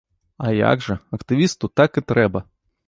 А як жа, актывісту так і трэба!